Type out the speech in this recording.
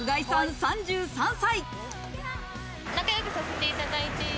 ３３歳。